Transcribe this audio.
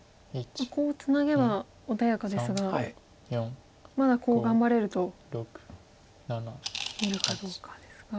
コウをツナげば穏やかですがまだコウ頑張れると見るかどうかですが。